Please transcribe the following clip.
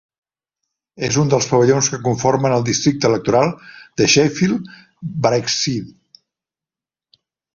És un dels pavellons que conformen el districte electoral de Sheffield Brightside.